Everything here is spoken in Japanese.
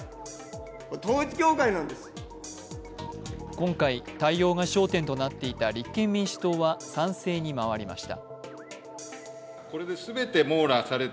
今回、対応が焦点となっていた立憲民主党は賛成に回りました。